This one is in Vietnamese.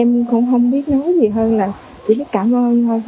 em không biết nói gì hơn là chỉ biết cảm ơn thôi